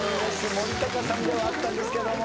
森高さんではあったんですけども。